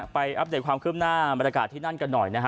อัปเดตความคืบหน้าบรรยากาศที่นั่นกันหน่อยนะฮะ